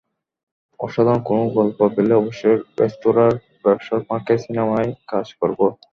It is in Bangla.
অসাধারণ কোনো গল্প পেলে অবশ্যই রেস্তোরাঁর ব্যবসার ফাঁকে সিনেমায় কাজ করব।